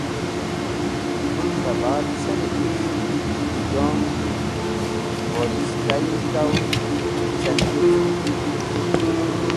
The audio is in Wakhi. Tu tra bar ce niwiz, z̃hũ jon boyista-e taw ce niwizd.